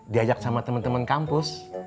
diajak sama temen temen kampus